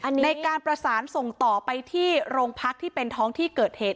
อันนี้ในการประสานส่งต่อไปที่โรงพักที่เป็นท้องที่เกิดเหตุ